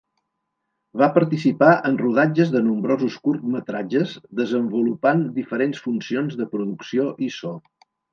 Va participar en rodatges de nombrosos curtmetratges desenvolupant diferents funcions de producció i so.